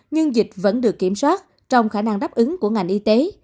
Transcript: nhưng dịch vẫn được kiểm soát trong khả năng đáp ứng của ngành y tế